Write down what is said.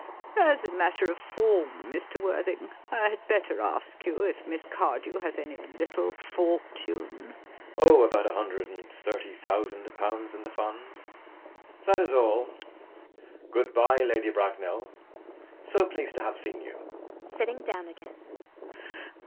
As a matter of form, Mr. Worthing, I had better ask you if Miss Cardew has any little fortune? JACK. Oh! about a hundred and thirty thousand pounds in the Funds. That is all. Goodbye, Lady Bracknell. So pleased to have seen you.